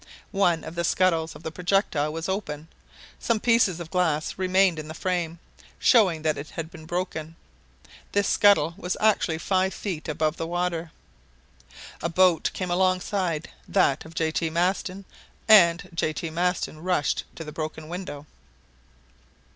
One of the scuttles of the projectile was open. Some pieces of glass remained in the frame, showing that it had been broken. This scuttle was actually five feet above the water. A boat came alongside, that of J. T. Maston, and J. T. Maston rushed to the broken window.